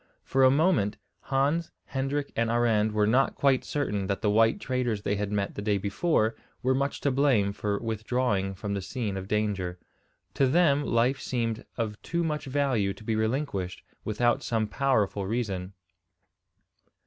For a moment Hans, Hendrik, and Arend were not quite certain that the white traders they had met the day before were much to blame for withdrawing from the scene of danger. To them life seemed of too much value to be relinquished without some powerful reason.